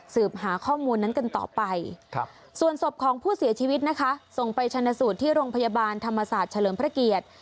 ส่วนสบของผู้เสียชีวิตส่งไปชนะสูตรที่โรงพยาบาลธรรมศาสตร์เฉลิมพระเกียรติ